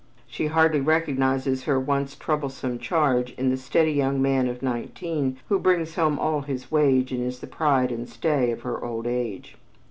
She hardly recognizes her once troublesome charge in the steady young man of nineteen who brings home all his wages and is the pride and stay of her old age.